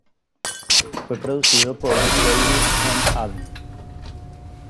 Fue producido por David M. Allen.